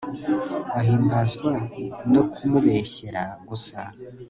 bahimbazwa no kumubeshyera gusa